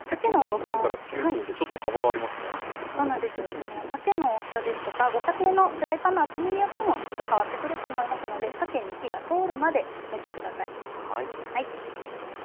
さけの大きさですとかご家庭のフライパンの厚みによってもちょっと変わってくると思いますのでさけに火が通るまで蒸して下さい。